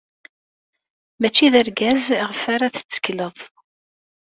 Mačči d argaz iɣef ara tettekleḍ.